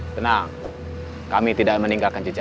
tenang kami tidak meninggalkan jejak